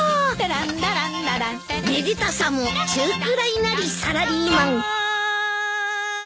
「ランラランララン」めでたさも中くらいなりサラリーマン。